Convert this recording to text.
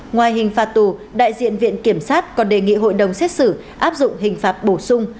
ngoài hình phạt tù đại diện viện kiểm sát còn đề nghị hội đồng xét xử áp dụng hình phạt bổ sung